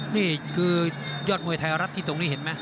นี่คือยอดมวยไทยรัฐที่ตรงนี้เห็นไหม